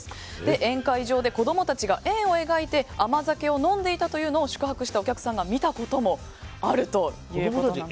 宴会場で子供たちが円を描いて甘酒を飲んでいたというのを宿泊したお客さんが見たこともあるということです。